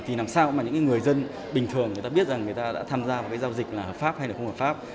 thì làm sao mà những người dân bình thường người ta biết rằng người ta đã tham gia vào cái giao dịch là hợp pháp hay là không hợp pháp